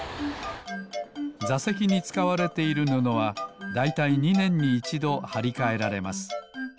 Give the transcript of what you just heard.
ざせきにつかわれているぬのはだいたい２ねんにいちどはりかえられます。